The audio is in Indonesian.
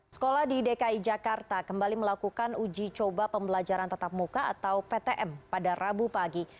sekolah di dki jakarta kembali melakukan uji coba pembelajaran tetap muka atau ptm pada rabu pagi